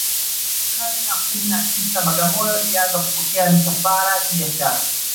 karne ya kumi na tisa bagamoyo ilianza kupokea misafara ya kibiashara